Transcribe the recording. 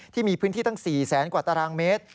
ที่มีพื้นที่ตั้ง๔แสนกว่าตารางเมตร